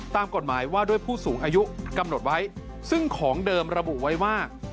ตามกฎหมายว่าด้วยผู้สูงอายุกำหนดไว้ซึ่งของเดิมระบุไว้ว่า